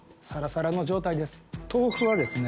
豆腐はですね